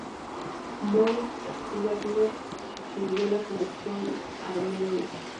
Moritz Wagner sugirió la conexión armenia.